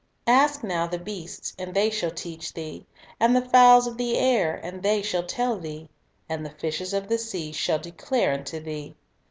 "Ask now the beasts, and they shall teach thee; and the fowls of the air, and they shall tell thee; . and the fishes of the sea shall declare unto thee."